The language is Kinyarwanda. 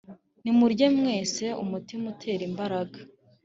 Nimurye mwese umutima utera imbaraga